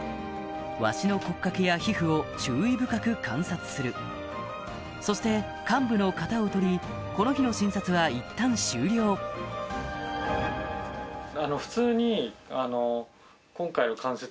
ワシの骨格や皮膚を注意深く観察するそして患部の型を取りこの日の診察はいったん終了みたいで。